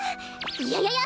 ややや！